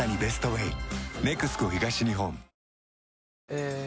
え